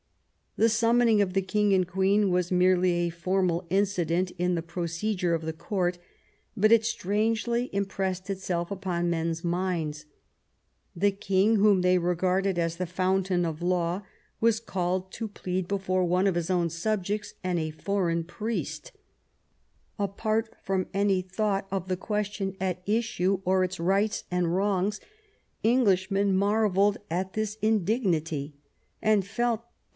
The summoning of the king and queen was merely a formal incident in the procedure of the court, but it strangely impressed itself upon men's minds. The king, whom they regarded as the fountain of law, was called to plead before one of his own subjects and a foreign priest Apart from any thought of the question at issue, IX THE KING'S DIVORCE 176 or its rights and wrongs, Englishmen marvelled at this indignity, and felt that